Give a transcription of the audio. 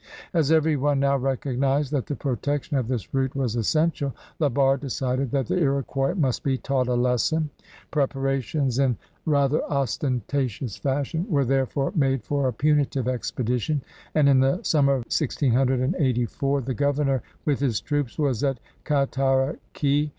As every one now recognized that the protection of this route was essential, La Barre decided that the Lx>quois must be taught a lesson. Preparations in rather ostentatious fashion were therefore made for a pimitive expedition^ and in the sunmier of 1684 the governor with his troops was at Cataraqui.